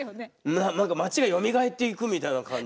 何か町がよみがえっていくみたいな感じで。